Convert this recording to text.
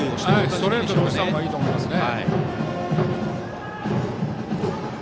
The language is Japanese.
ストレートで押したほうがいいと思いますね。